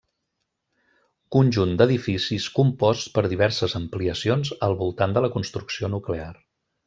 Conjunt d'edificis compost per diverses ampliacions al voltant de la construcció nuclear.